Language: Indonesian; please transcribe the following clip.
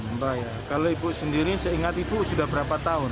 mbak ya kalau ibu sendiri seingat ibu sudah berapa tahun